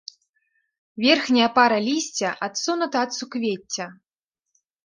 Верхняя пара лісця адсунута ад суквецці.